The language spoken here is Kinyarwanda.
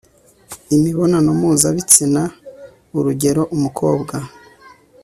imibonano mpuzabitsina urugeroumukobwa